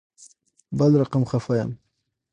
بل رقم خفه یم